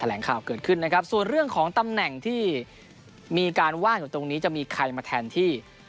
และเรื่องของตำแหน่งที่มีการว่าอยู่ตรงนี้จะมีใครมาแทนที่